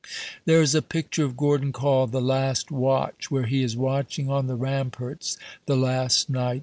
There is a picture of Gordon called "The Last Watch," where he is watching on the ramparts, the last night.